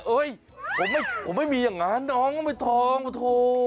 เอ้ยผมไม่มีอย่างนั้นน้องก็ไม่ทองโถ